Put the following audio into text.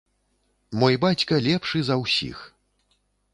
Мой бацька лепшы за ўсіх!